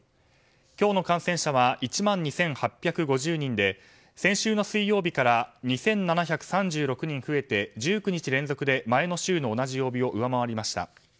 今日の感染者は１万２８５０人で先週の水曜日から２７３６人増えて１９日連続で前の週の同じ曜日を上回りました。